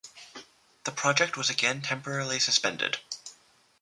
The project was again temporarily suspended.